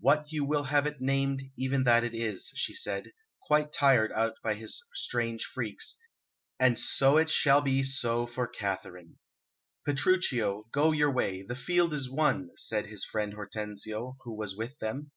"What you will have it named, even that it is," she said, quite tired out by his strange freaks, "and so it shall be so for Katharine." "Petruchio, go your way, the field is won," said his friend Hortensio, who was with them.